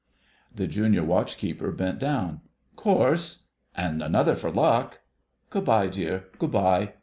The Junior Watch keeper bent down. "'Course ... and another for luck...! Good bye, dear; good bye...!"